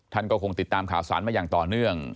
ท่านก็คงติดตามข่าวสารมาอย่างต่อเนื่อง